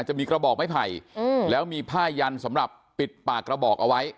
จะมีกระบอกไม้ไผ่แล้วมีผ้ายันสำหรับปิดปากกระบอกเอาไว้